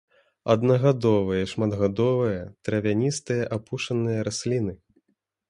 Аднагадовыя і шматгадовыя травяністыя апушаныя расліны.